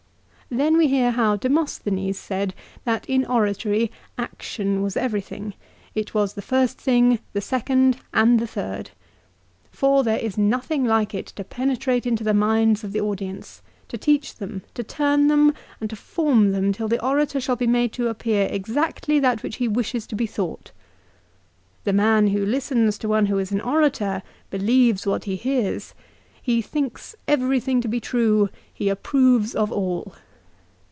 Then we hear how Demosthenes said that in oratory action was everything. It was the first thing, the second, and the third. " For there is nothing like it to penetrate into the minds of the audience, to teach them, to turn them, and to form them till the orator shall be made to appear exactly that which he wishes to be thought." 3 " The man who listens to one who is an orator, believes what he hears. He thinks everything to be true, he approves of all."